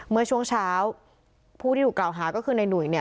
เมื่อช่วงเช้าผู้ที่ถูกกล่าวหาก็คือในหนุ่ยเนี่ย